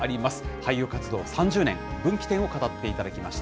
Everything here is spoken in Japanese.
俳優活動３０年、分岐点を語っていただきました。